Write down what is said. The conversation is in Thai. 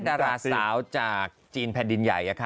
ดาราสาวจากจีนแผ่นดินใหญ่